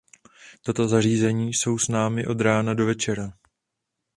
Tato zařízení jsou s námi od rána do večera.